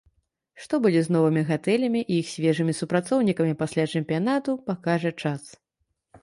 Што будзе з новымі гатэлямі і іх свежымі супрацоўнікамі пасля чэмпіянату, пакажа час.